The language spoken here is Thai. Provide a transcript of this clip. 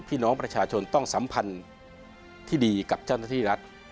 พี่น้องประชาชนต้องสัมพันธ์ที่ดีกับเจ้าหน้าที่รัฐ